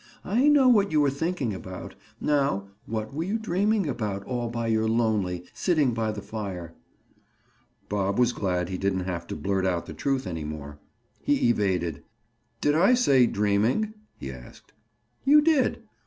I know what you were thinking about. Now, what were you dreaming about all by your lonely, sitting by the fire?" Bob was glad he didn't have to blurt out the truth any more. He evaded. "Did I say dreaming?" he asked. "You did.